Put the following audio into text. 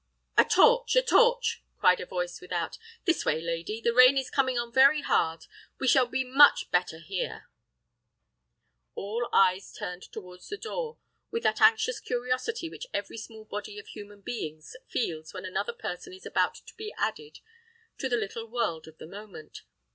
"A torch! a torch!" cried a voice without. "This way, lady. The rain is coming on very hard; we shall be much better here." All eyes turned towards the door with that anxious curiosity which every small body of human beings feels when another person is about to be added to the little world of the moment.